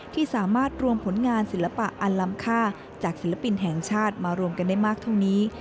ที่สามารถรวมผลงานศิลปะอันลำค่าจากศิลปินแห่งชาติมารวมกันได้มากเท่านี้